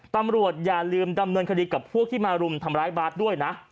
อย่าลืมดำเนินคดีกับพวกที่มารุมทำร้ายบาสด้วยนะ